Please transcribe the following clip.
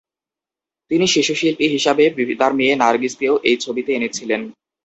তিনি শিশু শিল্পী হিসাবে তাঁর মেয়ে নার্গিসকেও এই ছবিতে এনেছিলেন।